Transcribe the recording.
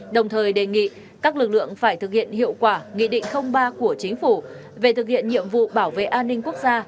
đồng thời đề nghị các lực lượng phải thực hiện hiệu quả nghị định ba của chính phủ về thực hiện nhiệm vụ bảo vệ an ninh quốc gia